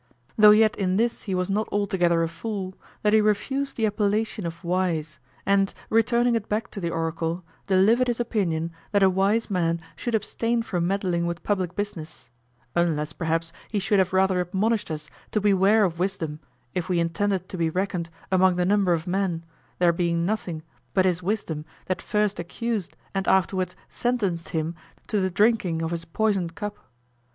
Though yet in this he was not altogether a fool, that he refused the appellation of wise, and returning it back to the oracle, delivered his opinion that a wise man should abstain from meddling with public business; unless perhaps he should have rather admonished us to beware of wisdom if we intended to be reckoned among the number of men, there being nothing but his wisdom that first accused and afterwards sentenced him to the drinking of his poisoned cup.